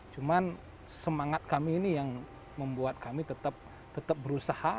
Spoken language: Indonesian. cuman semangat kami ini yang membuat kami tetap berusaha